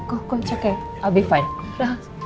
gue cek ya gue akan baik baik aja